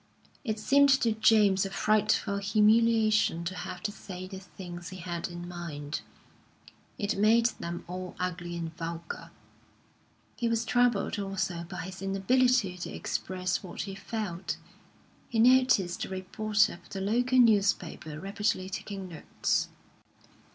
It seemed to James a frightful humiliation to have to say the things he had in mind, it made them all ugly and vulgar; he was troubled also by his inability to express what he felt. He noticed a reporter for the local newspaper rapidly taking notes.